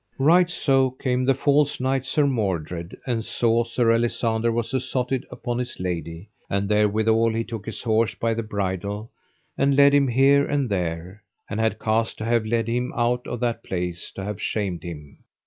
Right so came the false knight Sir Mordred, and saw Sir Alisander was assotted upon his lady; and therewithal he took his horse by the bridle, and led him here and there, and had cast to have led him out of that place to have shamed him.